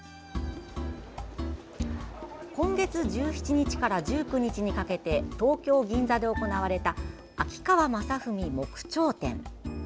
今月１７日から１９日にかけて東京・銀座で行われた「秋川雅史木彫展」。